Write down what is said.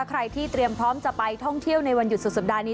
ใครที่เตรียมพร้อมจะไปท่องเที่ยวในวันหยุดสุดสัปดาห์นี้